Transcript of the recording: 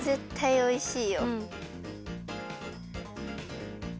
おいしい。